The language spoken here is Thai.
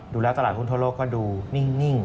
ดูแล้วตลาดหุ้นทั่วโลกก็ดูนิ่ง